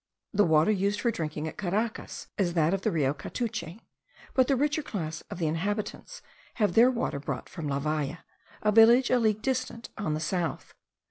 The water used for drinking at Caracas is that of the Rio Catuche; but the richer class of the inhabitants have their water brought from La Valle, a village a league distant on the south.